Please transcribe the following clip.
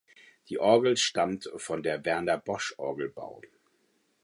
Die Orgel stammt von der Werner Bosch Orgelbau.